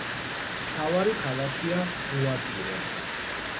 მთავარი ქალაქია გუატირე.